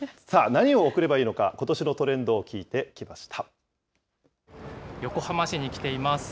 さあ、何を贈ればいいのか、ことしのトレンドを聞いてきました。